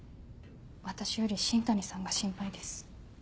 私より新谷さんが心配です。